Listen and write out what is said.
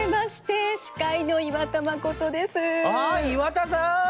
岩田さん。